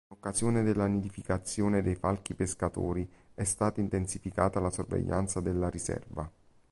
In occasione della nidificazione dei falchi pescatori, è stata intensificata la sorveglianza della riserva.